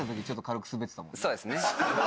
そうですね。